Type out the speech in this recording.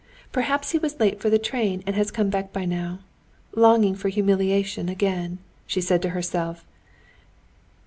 Perhaps he was late for the train and has come back by now. Longing for humiliation again!" she said to herself.